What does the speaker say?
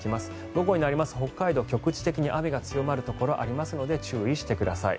午後になりますと北海道は局地的に雨が強まるところがありますので注意してください。